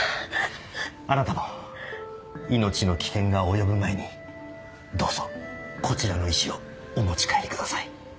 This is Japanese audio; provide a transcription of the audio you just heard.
あなたも命の危険が及ぶ前にどうぞこちらの石をお持ち帰りください。